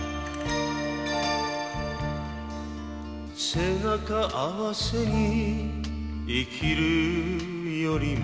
「背中合わせに生きるよりも」